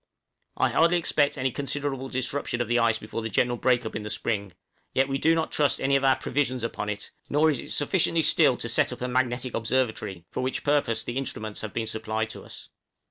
I hardly expect any considerable disruption of the ice before the general break up in the spring, yet we do not trust any of our provisions upon it, nor is it sufficiently still to set up a magnetic observatory, for which purpose the instruments have been supplied to us.